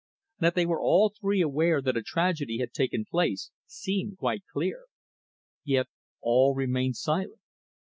That they were all three aware that a tragedy had taken place seemed quite clear. Yet all remained silent.